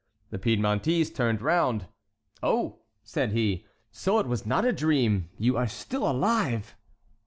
The Piedmontese turned round. "Oh!" said he, "so it was not a dream! You are still alive!"